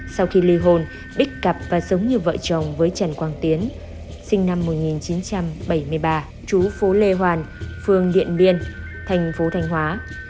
sau khi lưu hôn bích cặp và sống như vợ chồng với trần quang tiến sinh năm một nghìn chín trăm bảy mươi ba trú phố lê hoàn phường điện biên thành phố thanh hóa